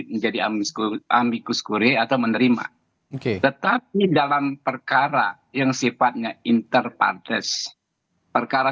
menjadi amikus kure atau menerima tetapi dalam perkara yang sifatnya inter partes perkara